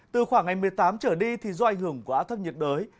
từ khoảng ngày một mươi tám trở đi thì do ảnh hưởng của áp thấp nhiệt đới